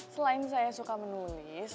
selain saya suka menulis